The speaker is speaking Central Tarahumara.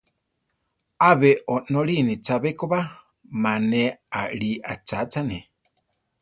Abe onorine chabé ko ba, ma ne arí achachane.